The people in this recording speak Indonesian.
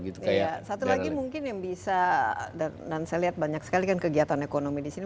satu lagi mungkin yang bisa dan saya lihat banyak sekali kan kegiatan ekonomi di sini